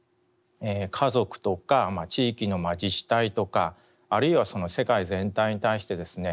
家族とか地域の自治体とかあるいは世界全体に対してですね